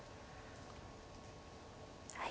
はい。